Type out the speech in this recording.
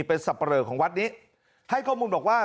เป็นสับปะเลอของวัดนี้ให้ข้อมูลบอกว่า